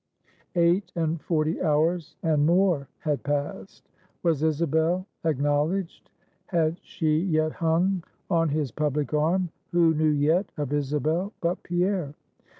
Eight and forty hours and more had passed. Was Isabel acknowledged? Had she yet hung on his public arm? Who knew yet of Isabel but Pierre?